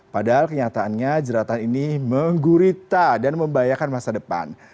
padahal kenyataannya jeratan ini menggurita dan membahayakan masa depan